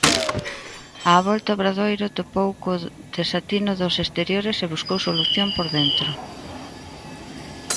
Á volta, Obradoiro topou co desatino dos exteriores e buscou solución por dentro.